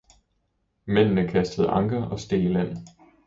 Mændene kastede anker og steg i land.